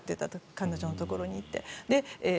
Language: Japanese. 彼女のところに行って。